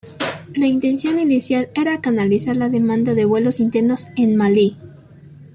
La intención inicial era canalizar la demanda de vuelos internos en Malí.